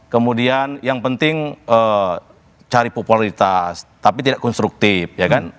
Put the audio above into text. kemudian yang penting cari popularitas tapi tidak konstruktif ya kan